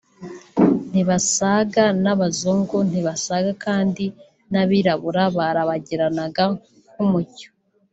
ntibasaga n’abazungu ntibasaga kandi n’abirabura barabagiranaga nk’umucyo